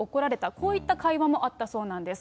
こういった会話もあったそうなんです。